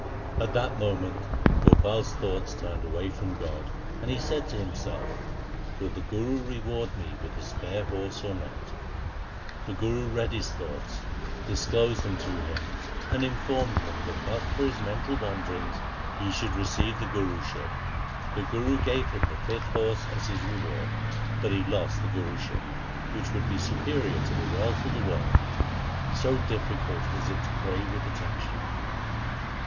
At that moment Gopal's thoughts turned away from God, and he said to himself, ' Will the Guru reward me with his spare horse or not ?' The Guru read his thoughts, dis closed them to him, and informed him that but for his mental wanderings he should receive the Guruship. The Guru gave him the fifth horse as his reward, but he lost the Guruship, which would be superior to the wealth of the world. So difficult is it to pray with attention.